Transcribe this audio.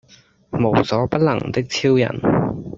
無所不能的超人